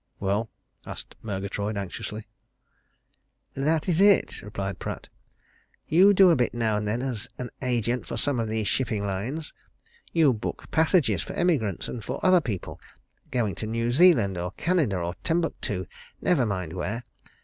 "Well?" asked Murgatroyd anxiously. "This is it," replied Pratt. "You do a bit now and then as agent for some of these shipping lines. You book passages for emigrants and for other people, going to New Zealand or Canada or Timbuctoo never mind where.